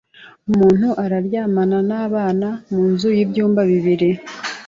umuntu araryamana n'abana munzu y'ibyumba bibiri